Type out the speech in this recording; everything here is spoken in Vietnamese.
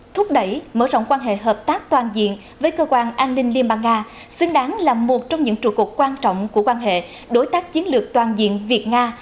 thúc đẩy mở rộng quan hệ hợp tác toàn diện với cơ quan an ninh liên bang nga xứng đáng là một trong những trụ cột quan trọng của quan hệ đối tác chiến lược toàn diện việt nga